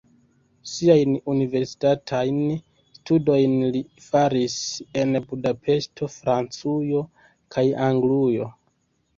Siajn universitatajn studojn li faris en Budapeŝto, Francujo kaj Anglujo.